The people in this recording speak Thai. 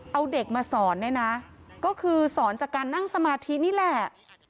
เอาเด็กมาสอนเนี่ยนะก็คือสอนจากการนั่งสมาธินี่แหละ